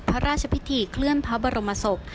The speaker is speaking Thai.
พระราชพิธีเคลื่อนพระบรมศพ